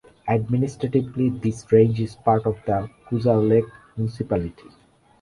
Administratively this range is part of the Kujalleq municipality.